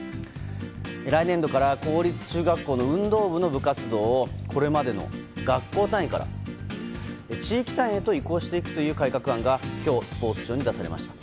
来年度から公立中学校の運動部の部活動をこれまでの学校単位から地域単位へと移行していくという改革案が今日、スポーツ庁に出されました。